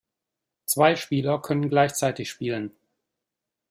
Zwei Spieler können gleichzeitig spielen.